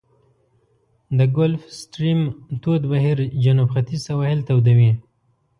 د ګلف ستریم تود بهیر جنوب ختیځ سواحل توده وي.